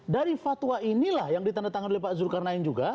dari fatwa inilah yang ditandatangani oleh pak zulkarnain juga